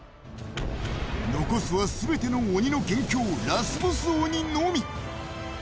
残すは全ての鬼の元凶、ラスボス鬼のみ。